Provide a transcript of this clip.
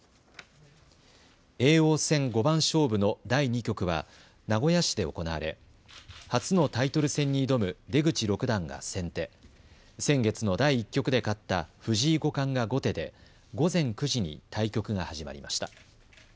叡王戦五番勝負の第２局は名古屋市で行われ初のタイトル戦に挑む出口六段が先手、先月の第１局で勝った藤井五冠が後手で午前９時に対局が始まりました。